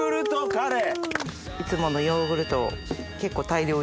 いつものヨーグルトを結構大量に。